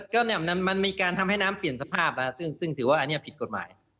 ก็เนี่ยมันมีการทำให้น้ำเปลี่ยนสภาพซึ่งถือว่าอันนี้ผิดกฎหมาย